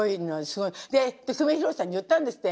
で久米宏さんに言ったんですって。